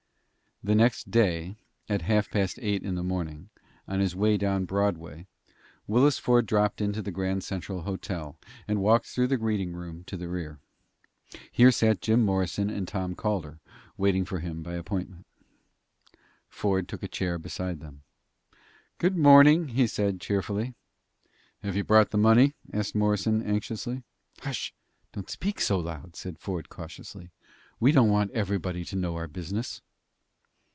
The next day, at half past eight o'clock in the morning, on his way down Broadway, Willis Ford dropped into the Grand Central Hotel, and walked through the reading room in the rear. Here sat Jim Morrison and Tom Calder, waiting for him by appointment. Ford took a chair beside them. "Good morning," he said, cheerfully. "Have you brought the money?" asked Morrison, anxiously. "Hush! don't speak so loud," said Ford, cautiously. "We don't want everybody to know our business."